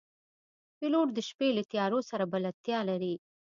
پیلوټ د شپې له تیارو سره بلدتیا لري.